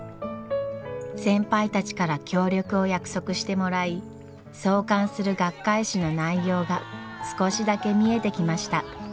先輩たちから協力を約束してもらい創刊する学会誌の内容が少しだけ見えてきました。